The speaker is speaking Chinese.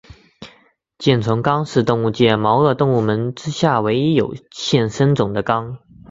箭虫纲是动物界毛颚动物门之下唯一有现生种的纲。